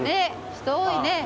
人多いね。